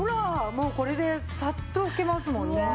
もうこれでサッと拭けますもんね。